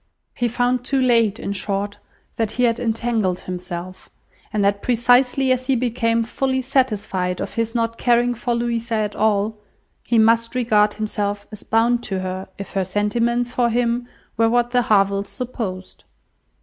He found too late, in short, that he had entangled himself; and that precisely as he became fully satisfied of his not caring for Louisa at all, he must regard himself as bound to her, if her sentiments for him were what the Harvilles supposed.